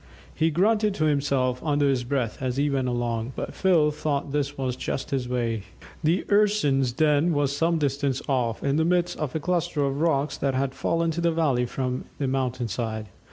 He grunted to himself under his breath as he went along, but Phil thought this was just his way. The Urson's den was some distance off, in the midst of a cluster of rocks that had fallen to the valley from the mountain side.